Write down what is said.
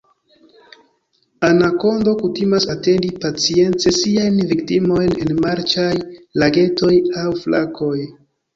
Anakondo kutimas atendi pacience siajn viktimojn en marĉaj lagetoj aŭ flakoj.